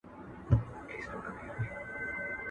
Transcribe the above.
اسمان چي مځکي ته راځي قیامت به سینه..